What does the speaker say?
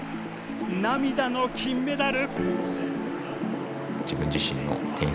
涙の金メダル！